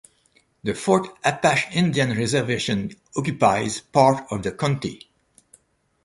The Fort Apache Indian Reservation occupies part of the county.